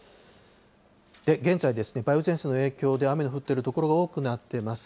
現在ですね、梅雨前線の影響で雨の降ってる所が多くなってます。